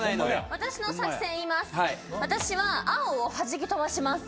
私の作戦言います